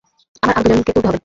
আমার আরও দুজনকে তুলতে হবে।